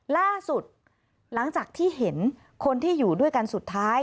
ล่าสุดหลังจากที่เห็นคนที่อยู่ด้วยกันสุดท้าย